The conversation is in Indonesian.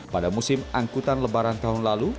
pada musim angkutan lebaran tahun lalu